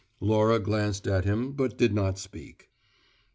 Laura glanced at him, but did not speak.